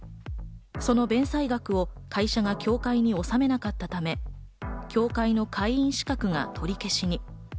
その弁済額を会社が協会に納めなかったため、協会の会員資格が取り消しに。